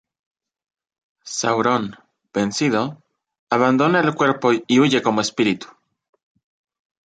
Sauron, vencido, abandona el cuerpo y huye como espíritu.